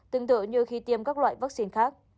tương tự như khi tiêm các loại vaccine khác